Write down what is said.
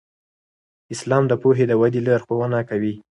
اسلام د پوهې د ودې لارښوونه کوي.